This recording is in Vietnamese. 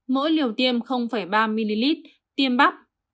mỗi liều tiêm ba ml tiêm bắp